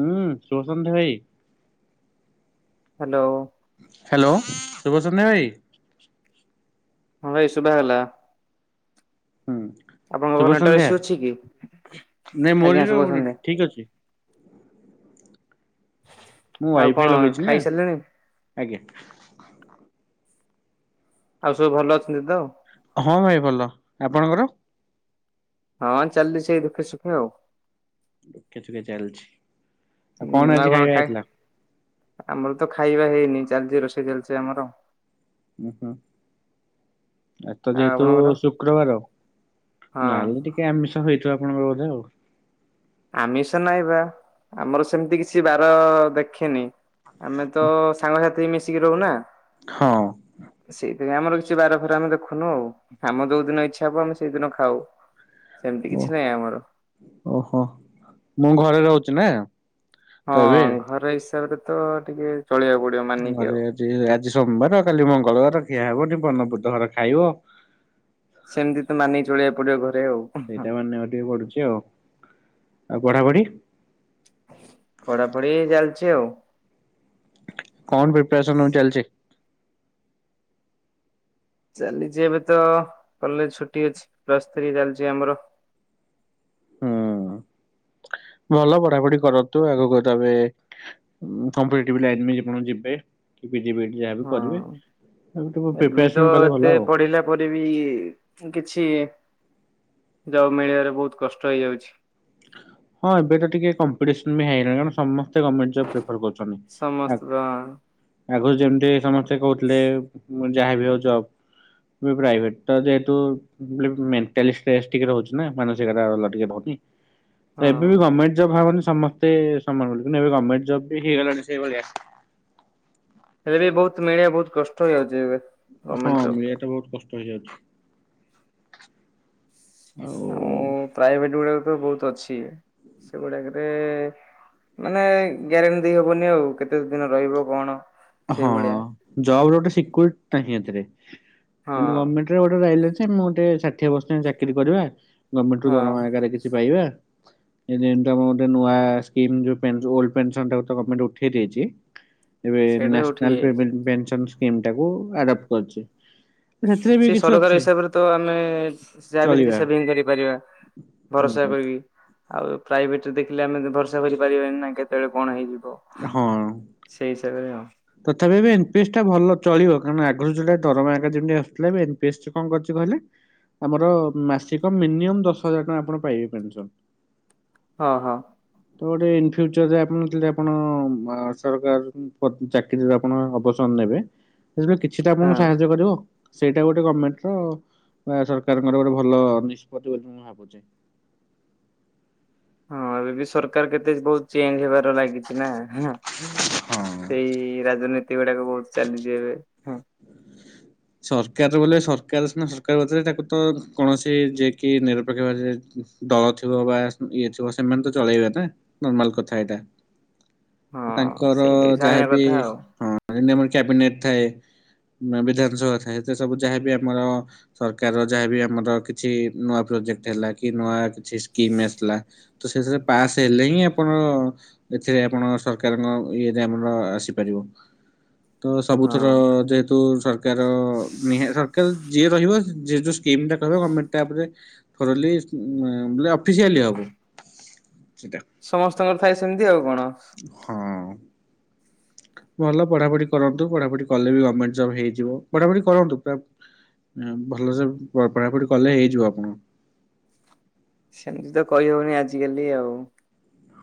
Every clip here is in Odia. ହୁଁ ସୁଭସନ୍ତ ଭାଇ ହ୍ୟାଲୋ ହ୍ୟାଲୋ ଶୁଭଚନ୍ଦ୍ର ଭାଇ ହଁ ଭାଇ ଶୁଭା ହେଲା ହୁଁ ଆପଣଙ୍କ ପାଖରେ ଶୁଭ ନେଟୱର୍କ ସନ୍ଧ୍ୟା ଇଷୁ ଅଛି କି ନାଇଁ ମୋରି ଆଜ୍ଞା ଶୁଭ ରହୁନି ସନ୍ଧ୍ୟା ଠିକ ଅଛି। ମୁଁ ଆଉ କଣ ୱାଇଫାଇ ଲଗେଇଛି ନା ଖାଇସାରିଲେଣି ଆଜ୍ଞା ଆଉ ସବୁ ଭଲ ଅଛନ୍ତି ତ ହଁ ଭାଇ ଭଲ ଆପଣଙ୍କର? ହଁ ଚାଲିଛି ସେଇ ଦୁଃଖେ ସୁଖେ ଆଉ ଦୁଃଖେ ସୁଖେ ଚାଲିଛି ହୁଁ ଆଜି ଆଉ କଣ ଖାଇବା ଖାଇ ହେଇଥିଲା? ଆମର ତ ଖାଇବା ହେଇନି ଚାଲିଛି ରୋଷେଇ ଚାଲିଛି ଆମର ଓୁ ହଁ ଏ ତ ଯେହେତୁ ଆପଣଙ୍କର? ଶୁକ୍ରବାର ହଁ ନହେଲେ ଟିକେ ଆମିଷ ହେଇଥିବ ଆପଣଙ୍କର ବୋଧେ ଆଉ ଆମିଷ ନାଇଁ ବା ଆମର ସେମିତି କିଛି ବାର ଦେଖେନି ଆମେ ତ ସାଙ୍ଗସାଥି ବି ମିଶିକି ରହୁନା ହଁ ସେଇଥିପାଇଁ ଆମର କିଛି ବାର ଫାର ଆମେ ଦେଖୁନୁ ଆଉ ଆମ ଯୋଉ ଦିନ ଇଛା ଇଛା ହବ ଆମେ ସେଇଦିନ ଖାଉ ସେମିତି ଓ କିଛି ନାହିଁ ଆମର ଓହୋ ମୁଁ ଘରେ ରହୁଛି ନା ତ ହଁ ଏବେ ଘର ହିସାବରେ ତ ଟିକେ ଚଳେଇକୁ ପଡିବ ମାନିକି ଘରେ ଆଉ ଆଜି ସୋମବାର କାଲି ମଙ୍ଗଳବାର ଖିଆ ହେବନି ବନ ବୁଧବାର ଘରେ ଖାଇବ ସେମିତି ତ ମାନିକି ଚଳିବାକୁ ପଡିବ ଘରେ ଆଉ ସେଇଟା ମାନିବାକୁ ଟିକେ ପଡୁଛି ଆଉ ଆଉ ପଢାପଢି ପଢାପଢି ଚାଲିଛି ଆଉ କଣ ପ୍ରିପାରେସନ ହ ଚାଲିଛି ଚାଲିଛି ଏବେ ତ କଲେଜ ଛୁଟି ଅଛି ପ୍ଲସ୍ ଥ୍ରୀ ଚାଲିଛି ଆମର ହୁଁ। ଭଲ ପଢାପଢି କରନ୍ତୁ ଆଗକୁ ତମେ କମ୍ପେଟିଟିଭ୍ ଲାଇନ୍ ରେ ଯେ ପଣ ଯିବେ ପିଜି ବି ଡି ଯାହାବି ହଁ କରିବେ ତାକୁ ଏବେ ବି ପ୍ରିପାରେସନ ତ କଲେ ଭଲ ଏତେ ଆଉ। ପଢିଲା ପରେ ବି କିଛି ଜବ୍ ମିଳିବାରେ ବହୁତ କଷ୍ଟ ହେଇଯାଉଛି। ହଁ ଏବେ ତ ଟିକେ କମ୍ପିଟିସନ ବି ହେଇଲାଣି କାରଣ ସମସ୍ତେ ଗଭର୍ଣମେଣ୍ଟ ଜବ ପ୍ରିଫର କରୁଛନ୍ତି ସମସ୍ତ ଆଗରୁ ଯେମତି ସମସ୍ତେ କହୁଥିଲେ ମୁଁ ଯାହାବି ହଉ ଜବ ବି ପ୍ରାଇଭେଟ ତ ଯେହେତୁ ମେଣ୍ଟାଲି୍ ଷ୍ଟ୍ରେସ୍ ଟିକେ ରହୁଛି ନା ମାନସିକତା ଭଲ ଟିକେ ରହୁନି। ତ ଏବେ ବି ହଁ ଗଭର୍ଣ୍ଣମେଣ୍ଟ ଜବ ହବନି ସମସ୍ତେ ସମାନ ବୋଲି କିନ୍ତୁ ଏବେ ଗଭର୍ଣମେଣ୍ଟ ଜବ ବି ହେଇଗଲାଣି ସେଇଭଳିଆ। ହେଲେ ବି ବହୁତ ମିଳିବା ବହୁତ କଷ୍ଟ ହେଇଯାଉଛି ଏବେ। ହଁ ଗଭର୍ଣ୍ଣମେଣ୍ଟ ଜବ୍ ମିଲିବାଟା ବହୁତ କଷ୍ଟ ହେଇଯାଉଛି ଆଉ। ଆଉ ପ୍ରାଇଭେଟ ଗୁଡାକ ତ ବହୁତ ଅଛି ସେଗୁଡାକରେ ମାନେ ଗ୍ୟାରେଣ୍ଟି ଦେଇ ହବନି ଆଉ କେତେ ଦିନ ରହିବ କଣ ସେଇ ଭଳିଆ। ଜବ ଗୋଟେ ସିକୁରି ନାହିଁ ଏଥିରେ ହଁ କିନ୍ତୁ ଗଭରମେଣ୍ଟ ରେ ଗଟେ ରାଇଲ ଅଛି। ସେ ମୁଁ ଗେ ଷାଠିଏ ବର୍ଷ ଚାକିରି କରିବା ଗଭର୍ଣ୍ଣମେଣ୍ଟ ରୁ ହଁ ଦରମା ଆଗରେ କିଛି ପାଇବା। ଯେ ଆ ଗୋଟେ ନୂଆ ସ୍କିମ ହୋଲ ପେନସନ ଟା କୁ ଗଣମେଣ୍ଟ ଉଠେଇ ଦେଇଛି। ଏବେ ସେଇଟା ସବୁ ଠିକ୍ ନ୍ୟାସନାଲ ଯାଇଛି। ପେଭେଣ୍ଟ ପେନସନ ସ୍କିମ ଟାକୁ ଆଡପ୍ଟ କରିଛି। ସେଥିରେ ବି ସେ କିଛି ସରକାର ଅଛି ହିସାବରେ ତ ଆମେ ଯାହା ବି କିଛି ଚଳିବା ସେଭିଙ୍ଗ କରିପାରିବା। ହୁଁ ଭରସା ହୁଁ। କରିବି। ଆଉ ପ୍ରାଇଭେଟ ରେ ଦେଖିଲେ ଆମେ ଭରସା କରିପାରିବାନି ନା କେତେବେଳେ କଣ ହେଇଯିବ। ହଁ। ସେଇ ହିସାବରେ ଆ ତଥାପି ଏବେ ଏନ୍ ପି ଏସ୍ ଟା ଭଲ ଚଳିବ କାରଣ ଆଗରୁ ଦରମା ଯେମ ଆସଥିଲା ଏବେ ଏମ ପି ଏସ୍ କଣ କରିଛି କହିଲେ ଆମର ମାସିକ ମିନିମମ୍ ଦଶ ହଜାର ଟଙ୍କା ଆପଣ ପାଇବେ ପେନସନ। ହଁ ହଁ। ତ ଗୋଟେ ଇନ ଫ୍ୟୁଚର ଯେ ଆପଣ ଆପଣ ସରକାର ଚାକିରିରେ ଆପଣ ଅବସର ନେବେ ସେଥିରୁ କିଛିଟା ଆପଣଙ୍କୁ ହଁ ସାହାଯ୍ୟ କରିବ। ସେଇଟା ଗୋଟେ ଗଭର୍ଣ୍ଣମେଣ୍ଟ ର ବା ସରକାରଙ୍କର ଗୋଟେ ଭଲ ନିଷ୍ପତ୍ତି ବୋଲି ମୁଁ ଭାବୁଛି। ହଁ ଏବେ ବି ସରକାର କେତେ ବହୁତ ଚେଞ୍ଜ ହେବାର ତ ଲାଗିଛି ନା ହଁ। ସେଇ ରାଜନୀତି ଗୁଡାକ ବହୁତ ଚାଲିଛି ଏବେ। ସରକାର ବୋଲେ ସରକାର ସରକାର ଭରେ ତାକୁ ତ କୌଣସି ଯିଏ କି ନିରପେକ୍ଷ ଭାବରେ ଦଳ ଥିବ ବା ଇଏ ଥିବ ସେମାନେ ତ ଚଳେଇବେ ନା ନର୍ମାଲ କଥା ଏଇଟା। ହଁ ତାଙ୍କର ସେଇଟା ବି ଜାଣିବା ଯାହାବି କଥା ଆଉ ହଁ ଯେମତି ଆମର କ୍ୟାବିନେଟ ଥାଏ ବିଧାନସଭା ଥାଏ ସେ ସବୁ ଯାହାବି ଆମର ସରକାର ଯାହାବି ଆମର କିଛି ନୂଆ ପ୍ରୋଜେକ୍ଟ ହେଲା କି ନୂଆ କିଛି ସ୍କିମ ଆସିଲା ତ ସେଥିରେ ପାସ ହେଲେ ହିଁ ଆପଣ ଏଥିରେ ଆପଣ ସରକାରଙ୍କ ଇଏ ରେ ଆମର ଆସିପାରିବ। ତ ସବୁଥର ହଁ ଯେହେତୁ ସର ତ ନିହା ସରକାର ଯିଏ ରହିବ ଯେ ଯେଉଁ ସ୍କିମ୍ଟା କହିବ ଗଭର୍ଣ୍ଣମେଣ୍ଟ ତାପରେ ଥରୋଲି ବ ଅଫିସିଆଲି ହବ ସେଟା। ସମସ୍ତଙ୍କର ଥାଏ ସେମିତି ଆଉ କଣ। ହଁ। ଭଲ ପଢାପଢି କରନ୍ତୁ ପଢାପଢି କଲେ ବି ଗଭର୍ଣ୍ଣମେଣ୍ଟ ଜବ୍ ହେଇଯିବ ପଢାପଢି କରନ୍ତୁ। ଭଲସେ ପଢ଼ାପଢ଼ି କଲେ ହେଇଯିବ ଆପଣ ସେମିତି ତ କହିହଉନି ଆଜିିକାଲି ଆଉ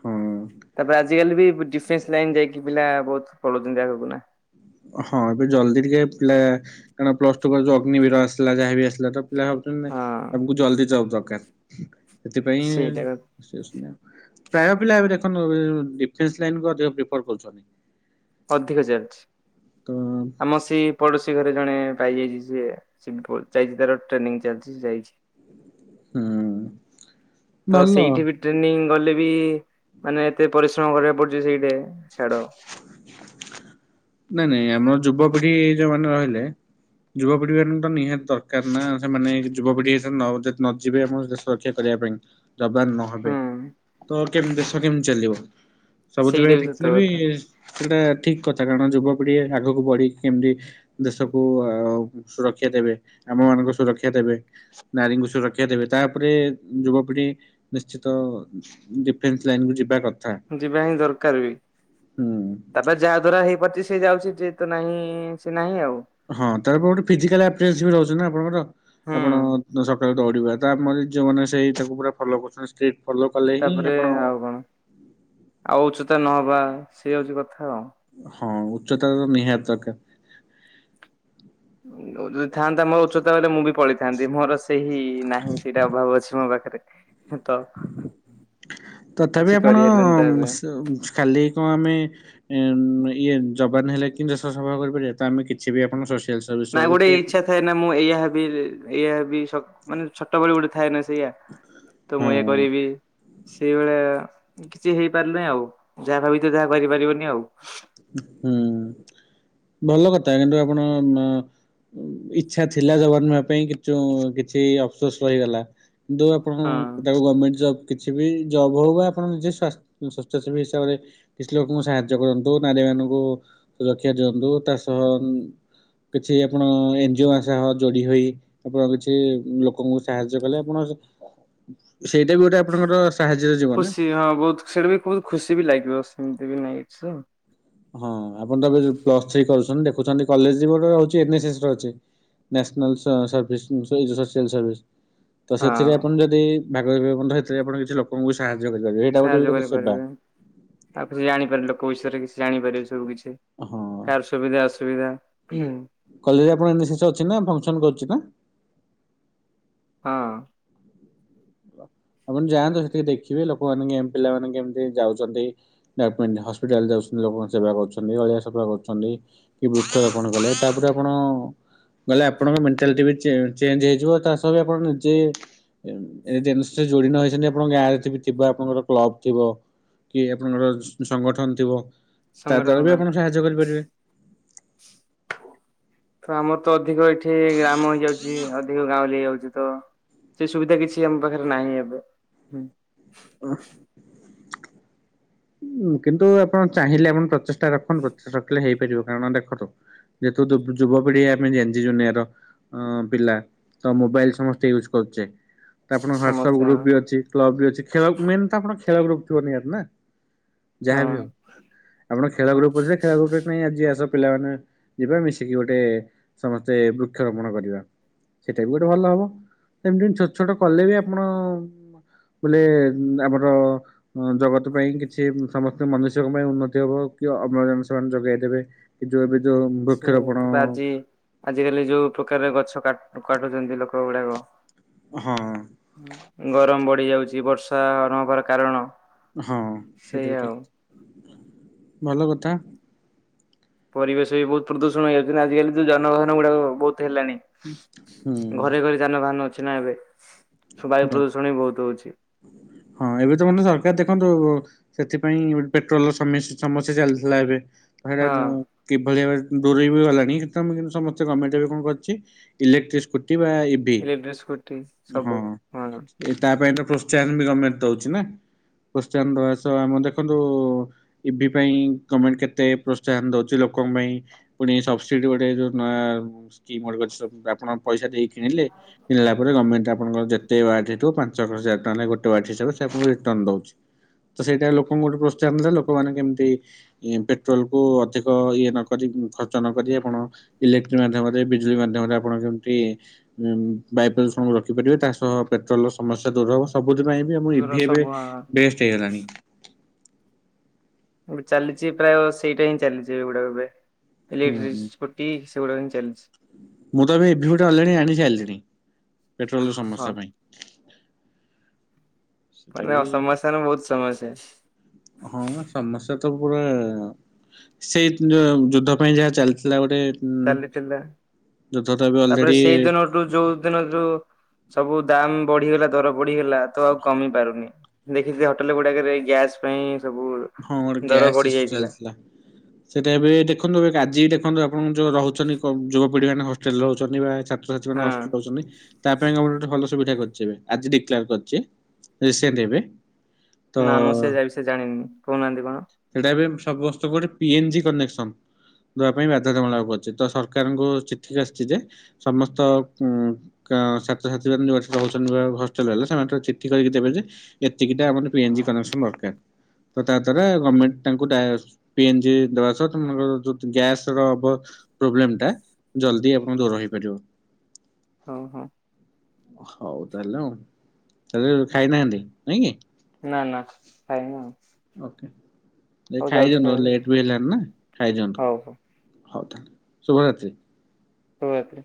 ହଁ ଆଜିକାଲି ବି ଡିଫେନ୍ସ ଲାଇନ ଯାଇକି ପିଲା ବହୁତ ପଳଉଛନ୍ତି ଆଗକୁ ନା। ହଁ ଏବେ ଜଲ୍ଦି ଟିକେ ପା କ ପ୍ଲସ୍ ଟୁ ଯଉ ଅଗ୍ନିବିର ଆସିଲା ଯାହାବି ଆସିଲା ତ ପିଲା ଭାବଛନ୍ତି ହଁ। ନାଇ ଆମକୁ ଜଲଦି ଯାଉ ଦରକାର ସେଇଟା ସେଥିପାଇଁ ପ୍ରାୟ ପିଲା ଏବେ ଦେଖନ୍ତୁ ଡିଫେନ୍ସ ଲାଇନକୁ ଅଧିକ ପ୍ରିଫର କରୁଛନ୍ତି। ଅଧିକ ଚାଲିଛି ତ ଆମ ସେ ପଡଶୀ ଘରେ ଜଣେ ପାଇଯାଇଛି ସି ଯାଇ ତାର ଟ୍ରେନିଂ ଚାଲିଛି ଯାଇଛି। ହୁଁ ତ ଭଲ ସେଇଠି ବି ଟ୍ରେନିଂ ଗଲେ ବି ମାନେ ଏତେ ପରିଶ୍ରମ କରିବାକୁ ପଡୁଛି ସେଇଟେ ଛାଡ। ନାଇଁ ନାଇଁ ଆମର ଯୁବପିଢି ଯୋଉମାନେ ରହିଲେ ଯୁବପିଢି ମାନଙ୍କ ତ ନିହାତି ଦରକାର ନା ସେମାନେ ଯୁବପିଢି ନ ଯିବେ ଆମ ଦେଶ। ସୁରକ୍ଷା କରିବା ପାଇଁ ଯବାନ ନହବେ ହୁଁ ତ କେମ ଦେଶ କେମିତି ଚାଲିବ ସେଇଟା ସବୁଥିପାଇ ସତ ଦେଖିଲେ ବି କଥା। ସେଟା ଠିକ କଥା କାରଣ ଯୁବପିଢି ଆଗକୁ ବଢିକି କେମିତି ଦେଶକୁ ଅ ସୁରକ୍ଷା ଦେବେ ଆମ ମାନଙ୍କୁ ସୁରକ୍ଷା ଦେବେ। ନାରୀଙ୍କୁ ସୁରକ୍ଷା ଦେବେ ତାପରେ ଯୁବପିଢି ନିଶ୍ଚିତ ଡିଫେନ୍ସ ଲାଇନ କୁ ଯିବା କଥା। ଯିବା ହିଁ ଦରକାର ବି। ହୁଁ। ତାପରେ ଯାହା ଦ୍ଵାରା ହେଇପାରୁଚି ସେ ଯାଉଚି ଯିଏ ତ ନାହିଁ ସେ ନାହିଁ ଆଉ। ହଁ ତା ପ ଗୋଟେ ଫିଜିକଲ ଅପ୍ରେନ୍ସିଭ ରହୁଚିନା ଆପଣଙ୍କର ହୁଁ ଆପଣ ତ ସକାଳୁ ଦୌଡିବା ଟା ଆମର ଯିଉମାନେ ସେଇ ତାକୁ ପୁରା ଫଲୋ କରୁଚନ୍ତି ଷ୍ଟ୍ରିଟ ଫଲୋ କଲେ ହିଁ ତାପରେ ଆପଣ ଆଉ କଣ ଆଉ ଉଚ୍ଚତା ନହବା ସେଇ ହଉଚି କଥା ଆଉ। ହଁ ଉଚ୍ଚତା ତ ନିହାତି ଦରକାର। ଅ ଉ ଯଦି ଥାନ୍ତା ମୋର ଉଚ୍ଚତା ହେଲେ ମୁଁ ବି ପଳେଇଥାନ୍ତି ମୋର ସେ ସେହି ନାହିଁ ସେଇଟା ଅଭାବ ଅଛି ମୋ ପାଖରେ। ତ ତଥାପି କିଛି ଆପଣ କରିହେଲାନି ତା ପାଇଁ। ସ ଖାଲି କଣ ଆମେ ଉଁ ଇଏ ଯବାନ ହେଲେ କିମତି ଦେଶ ସେବା କରିପାରିବିବା ତ ଆମେ କିଛି ବି ଆପଣ ଶ ନାଇ ଗୋଟେ ଇଚ୍ଛା ଥାଏ ନା ମୁଁ ଏଇଆହେବି ଏଇଆହେବି ସ ମାନେ ଛୋଟବେଳେ ଗୋଟେ ଥାଏ ନା ସେଇଆ।। ତ ହଁ ମୁଁ ଇଇଆ କରିବି। ସେଇଭଳିଆ କିଛି ହେଇପାରୁ ନାହିଁ ଆଉ ଯାହା ଭାବିଥିବ ଯାହା କରିପାରିବନି ଆଉ। ହୁଁ ଭଲ କଥା କିନ୍ତୁ ଆପଣ ନ ଇଚ୍ଛା ଥିଲା ଯବାନ ହେବା ପାଇଁ କିନ୍ତୁ କିଛି ଅପସୋସ ରହିଗଲା କିନ୍ତୁ ଆପଣ ହଁ। ତାକୁ ଗମେଣ୍ଟ ଜବ୍ କିଛି ବି ଜବ୍ ହଉ ବା ଆପଣ ନିଜେସ୍ ସ୍ୱ ସ୍ଵଚ୍ଛସେବୀ ହିସାବରେ କିଛି ଲୋକଙ୍କୁ ସାହାଯ୍ୟ କରନ୍ତୁ। ଯୋଉ ନାରୀ ମାନଙ୍କୁ ସୁରକ୍ଷା ଦିଅନ୍ତୁ ତା ସହ କିଛି ଆପଣ ଏନ ଜି ଓ ଙ୍କ ସହ ଯୋଡ଼ି ହୋଇ ଆପଣ କିଛି ଲୋକଙ୍କୁ ସାହାଯ୍ୟ କଲେ ଆପଣ ସେଇଟା ବି ଗୋଟେ ଆ ଖୁସି ହଁ ବହୁତ ସେଟା ବି ବହୁ ଖୁସି ବି ଲାଗିବ ସେମିତି ବି ନାଇଁ ଏକସ୍। ହଁ ଆପଣ ତ ଏବେ ଯୋଉ ପ୍ଲସ ଥ୍ରୀ କରୁଚନ୍ତି ଦେଖୁଚନ୍ତି କଲେଜ ରେ ବି ଗୋଟେ ରହୁଚି ଏନ୍ ଏସ ଏସ ର ଅଛି। National of service so social service. ତ ସେଥିରେ ଆପଣ ଯଦି ଭାଗ ହେବେ ବନ୍ଧ ହେଥିରେ ଆପଣ କିଛି ଲୋକ ଲୋକଙ୍କୁ ସାହାଯ୍ୟ କରିପାରିବେ ଏଇଟା ଗୋଟେ ସାହାଯ୍ୟ ବି ଗୋଟେ ସେବା। କରିପାରିବେ ଆଉ କିଛି ଜାଣିପାରି ଲୋକ ବିଷୟରେ କିଛି ଜାଣିପାରିବେ ସବୁ କିଛି ହଁ କାହାର ସୁବିଧା ଅଶ୍ ସୁବିଧା। କଲେଜ୍ ରେ ଆପଣ ଏନ୍ ଏସ ସେ ଅଛି ନା ଫଙ୍କସନ୍ କରୁଛି ନା ହଁ। ଆପଣ ଯାଆନ୍ତୁ ସେଠିକି ଦେଖିବେ ଲୋକମାନେ କେମ୍ ପିଲା ମାନେ କେମିତି ଯାଉଚନ୍ତି। ଡାକୁ ମେ ହସ୍ପିଟାଲ ଯାଉଚନ୍ତି ଲୋକଙ୍କ ସେବା କରୁଚନ୍ତି ଅଳିଆ ସଫା କରୁଚନ୍ତି। କି ବୃକ୍ଷ ରୋପଣ କଲେ ତାପରେ ଆପଣ ଗଲେ ଆପଣଙ୍କ ମେଣ୍ଟାଲିଟି ବି ଚେ ଚେଞ୍ଜ ହେଇଯିବ ତା ସହ ବି ଆପଣ ନିଜେ ଏଜେନସ୍ ସେ ଯୋଡି ନ ହେଇଚନ୍ତି ଆପଣଙ୍କ ଗାଁରେ ଥି ଥିବ ଆପଙ୍କର କ୍ଲବ ଥିବ। କି ଆପଣଙ୍କର ସ ସଂଗଠନ ଥିବ ତା ସଂଗଠନ ଦ୍ଵାରା ବି ପାଇଁ ଆପଣ ସାହାଯ୍ୟ କରିପାରିବେ। ତ ଆମର ତ ଅଧିକ ଏଠି ଗ୍ରାମ ହେଇଯାଉଚି ଅଧିକ ଗାଁଉଁଲି ହେଇଯାଉଚି ତ ସେ ସୁବିଧା କିଛି ଆମ ପାଖରେ ନାହିଁ ଏବେ ହୁଁ। [inaudible] କିନ୍ତୁ ଆପଣ ଚାହିଁଲେ ଆପଣ ପ୍ରଚେଷ୍ଟା ରଖନ୍ତୁ ପ୍ରଚେଷ୍ଟା ରଖିଲେ ହେଇପାରିବ କାରଣ ଦେଖନ୍ତୁ ଯେହତୁ ଯୁ ଯୁବପିଢି ଆମେ ଜେନ୍ ଜି ଦୁନିଆର। ଅ ପିଲା ତ ମୋବାଇଲ ସମସ୍ତେ ୟୁଜ୍ କରୁଚେ। ତ ଆପଣ ହ୍ୱାଟସଆପ ସମସ୍ତେ ଗ୍ରୁପ ବି ଅଛି କ୍ଳବ ଅଛି ଖେଳ ମେନ ତ ଆପଣଙ୍କ ଖେଳ ଗ୍ରୁପ ଥିବ ନିହାତି ନା। ହଁ ଯାହାବି ହଉ ଆପଣ ଖେଳ ଗ୍ରୁପରେ ସେ ଖେଳ ଗ୍ରୁପ ପାଇଁ ଆଜି ଆସ ପିଲାମାନେେ ଯିବେ ମିଶିକି ଗୋଟେ ସମସ୍ତେ ବୃକ୍ଷରୋପଣ କରିବା। ସେଇଟା ବି ଗୋଟେ ଭଲ ହବ। ସେମିତି ଛୋଟ ଛୋଟ କଲେ ବି ଆପଣ ବୋଇଲେ ଆମର ଜଗତ ପାଇଁ କି କି ସମସ୍ତ ମନୁଷ୍ୟଙ୍କ ପାଇଁ ଉନ୍ନତି ହବ, କି ଅମ୍ଳଜାନ ସେମାନେ ଯୋଗାଇ ଦେବେ। ଯୋଉ ଏବେ ଯୋଉ ବୃକ୍ଷରୋପଣ ଆଜ କାଲି ଯୋଉ ପ୍ରକାରେ ଗଛ କାଟୁ କାଟୁଛନ୍ତି ଲୋକ ଗୁଡାକ। ହଁ। ଗରମ ବଢ଼ି ଯାଉଛି, ବର୍ଷା ନହବାର କାରଣ। ହଁ ସେଇଟା ସେଇଆ ବି ଆଉ ଠିକ୍। ଭଲ କଥା। ପରିବେଶ ବି ବହୁତ ପ୍ରଦୂଷଣ ହେଇଯାଉଛି ନା ଆଜିକାଲି ଯୋଉ ଯାନବାହନ ଗୁଡ଼ାକ ବହୁତ ହେଲାଣି। ହୁଁ। ଯାନବାହନ ଅଛି ନା ଏବେ ଶୋ ବାୟୁ ପ୍ରଦୂଷଣ ବି ବହୁତ ହଉଛି। ହଁ ଏବେ ତ ମାନେ ସରକାର ଦେଖନ୍ତୁ ସେଥିପାଇଁ ଗୋଟେ ପେଟ୍ରୋଲର ସମି ସମସ୍ୟା ଚାଲିଥିଲା ଏବେ। ହଁ [unintelligible] କିଭଳି ଭାବେ ଦୂରେଇ ବି ଗଲାଣି କିନ୍ତୁ ଆମେ କିନ୍ତୁ ସମସ୍ତେ ଗମେଣ୍ଟ ଏବେ କଣ କରିଛି ଇଲେକ୍ଟ୍ରିକ ସ୍କୁଟି ବା ଏଭ [unintelligible] ସ୍କୁଟି। ହଁ, ସବୁ ହଁ ଏ ତା ପାଇଁ ତ ପ୍ରୋତ୍ସାହନ ବି ଗମେଣ୍ଟ ଦଉଛି ନା। ପ୍ରୋତ୍ସାହନ ଦବା ସହ ଆମ ଦେଖନ୍ତୁ ଇଭି ପାଇଁ ଗମେଣ୍ଟ କେତେ ପ୍ରୋତ୍ସାହନ ଦଉଚି ଲୋକଙ୍କ ପାଇଁ ପୁଣି ସବସିଡି ଗୋଟେ ଯୋଉ ନୂଆ ସ୍କିମ୍ ଗୋଟେ ଅଛି ସବୁ ଆପଣ ପଇସା ଦେଇ କିଣିଲେ, କିଣିଲା ପରେ ଗମେଣ୍ଟ ଆପଣଙ୍କର ଯେତେ ବା [unintelligible] ପାଞ୍ଚ ହଜାର [unintelligible] ଗୋଟେ ଵାଟ୍ ହିସାବରେ ସେ ଆପଣଙ୍କୁ ଦଉଛି। ତ ସେଇଟା ଲୋକଙ୍କୁ ଗୋଟେ ପ୍ରୋତ୍ସାହନ ଦେଲେ, ଲୋକମାନେ କେମିତି ପେଟ୍ରୋଲ କୁ ଅଧିକ ଇଏ ନ କରି ଖର୍ଚ୍ଚ ନ କରି ଆପଣ ଇଲେକ୍ଟ୍ରିକ ମାଧ୍ୟମରେ ବିଜୁଳି ମାଧ୍ୟମରେ ଆପଣ କେମିତି ବାୟୁ ପ୍ରଦୂଷଣକୁ ରୋକିପାରିବେ ତା ସହ ପେଟ୍ରୋଲ ର ସମସ୍ୟା ଦୂର ହବ ସବୁଥି ପାଇଁ ବି ଆମ ଦୂର ଇଭି ଏବେ ସବୁ ହଁ। ବେଷ୍ଟ ହେଇଗଲାଣି। ଗୋଟେ ଚାଲିଛି ପ୍ରାୟ ସେଇଟା ହିଁ ଚାଲିଛି ଏଗୁଡା଼ ଏବେ ହୁଁ ଇଲେକ୍ଟ୍ରିକ୍ ହୁଁ ସ୍କୁ ଟି ସେଗୁଡ଼ା ଏଇନା ଚାଲିଛି। ମୁଁ ତ ଏବେ ଇଭ୍ୟୁ ଗୋଟେ ଆଲରେଡି ଆଣି ସାରିଲିଣି। ପେଟ୍ରୋଲ ର ହଁ ସମସ୍ୟା ପାଇଁ। ସେଟା ମାନେ ଅ ବି ସମସ୍ୟା ନା ବହୁତ ସମସ୍ୟା। ହଁ ମ ସମସ୍ୟା ତ ପୁରା ସେଇ ଯୁ-ଯୁଦ୍ଧ ପାଇଁ ଯାହା ଚାଲିଥିଲା ଗୋଟେ ହୁଁ ଚାଲିଥିଲା ଯୁଦ୍ଧ ତ ଏବେ ତାପରେ ଅଲରେଡି [unintelligible] ଯୋଉ ଦିନ ଯୋଉ ସବୁ ଦାମ ବଢ଼ିଗଲା, ଦର ବଢ଼ିଗଲା ତ ଆଉ କମି ପାରୁନି। ଦେଖିଥିବେ ହୋଟେଲ ଗୁଡ଼ାକ ରେ ଗ୍ୟାସ ପାଇଁ ସବୁ ହଁ ଗୋଟେ ଦର ଗ୍ୟାସ୍ ବଢି ଇସୁ ଯାଇଥିଲା ଚାଲିଥିଲା। ସେଇଟା ଏବେ ଦେଖନ୍ତୁ ଏ ଆଜି ବି ଦେଖନ୍ତୁ ଆପଣଙ୍କୁ ଯୋଉ ରହୁଛନ୍ତି ଯୁବ ପିଢ଼ି ମାନେ ହଷ୍ଟେଲରେ ରହୁଛନ୍ତି ବା ଛା ଛୁଆ ଯୋଉ ମାନେ ହଷ୍ଟେଲରେ ହଁ। ରହୁଛନ୍ତି ତା ପାଇଁ କା ଗୋଟେ ଗୋଟେ ଭଲ ଭଲ ସୁବିଧା କରିଛି ଏବେ। ଆଜି ଡିକ୍ଲାର କରିଛି, ରିସେଣ୍ଟ ଏବେ। ତ ନା ମୁଁ ସେ ଯାଇ ବିଷୟରେ ଜାଣିନି। କହୁନାହାନ୍ତି କଣ? ସେଇଟା ଏବେ ସମସ୍ତଙ୍କୁ ଗୋଟେ ପି ଏନ୍ ଜି କନେକ୍ସନ। ଦେବା ପାଇଁ ବାଧ୍ୟତାମୂଳକ କରିଛି। ତ ସରକାରଙ୍କୁ ଚିଠି ଆସିଛି ଯେ ସମସ୍ତ ଉ କା ଛାତ୍ର ଛାତ୍ରୀ ମାନେ ଯୋଉ ଅସିକି ରହୁଛନ୍ତି ଯୋଉ ହଷ୍ଟେଲରେ ହେଲେ ସେମାନେ ଟିକେ ଚିଠି କରିକି ଦେବେ ଯେ ଏତିକିଟା [unintelligible] ପି ଏନ୍ ଜି କନେକ୍ସନ୍ ଦରକାର। ତ ତା ଦ୍ଵାରା ଗମେଣ୍ଟ ତାଙ୍କୁ ଡ଼ା ପି ଏନ ଜି ଦବା ସହ ତୁମର ଯୋଉ ଗ୍ୟାସ ର ହବ ପ୍ରୋବଲେମ ଟା ଜଲଦି ଆପଣଙ୍କ ଦୂର ହେଇପାରିବ। ଓହୋଃ। ହଉ ତାହେଲେ ଆଉ ତାଲେ ଖାଇନାହାନ୍ତି ନାଇଁ କି ନା ନା ଖାଇନୁ ଆଉ। ଓକେ ନାଇ ହଉ ଖାଇ ଯାଉଛି ଦିଅନ୍ତୁ ଖାଇବାକୁ ଲେଟ୍ ବି ହେଲଣି ନା ଖାଇଦିଅନ୍ତୁ। ହଉ ହଉ ହଉ ତାହେଲେ ଶୁଭରାତ୍ରି। ଶୁଭରାତ୍ରି।